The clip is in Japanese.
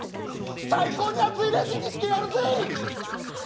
最高に熱いレジにしてやるぜ！